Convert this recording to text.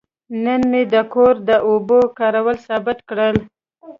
نن مې د کور د اوبو کارول ثابت کړل.